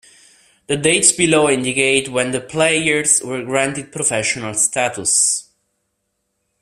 The dates below indicate when the players were granted professional status.